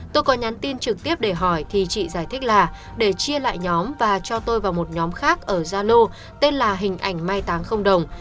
tôi có nhắn tin trực tiếp để hỏi thì chị giải thích là để chia lại nhóm và cho tôi vào một nhóm khác ở zalo tên là hình ảnh mai táng không đồng